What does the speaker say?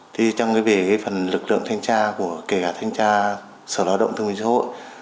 trong phần lực lượng thanh tra của kể cả thanh tra sở lao động thông minh xã hội